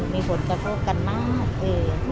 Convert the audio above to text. มีผลกับพวกกันมาก